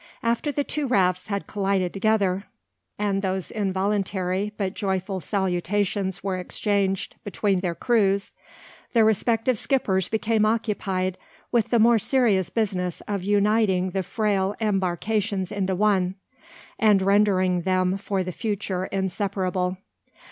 After the two rafts had collided together, and those involuntary but joyful salutations were exchanged between their crews, the respective skippers became occupied with the more serious business of uniting the frail embarkations into one, and rendering them for the future inseparable.